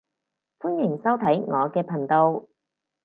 歡迎收睇我嘅頻道